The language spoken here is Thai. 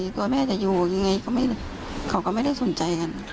กลัวแม่จะอยู่ยังไงเขาก็ไม่ได้สนใจกัน